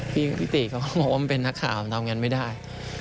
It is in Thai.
พี่ติเขาก็บอกว่ามันเป็นนักข่าวทำงานไม่ได้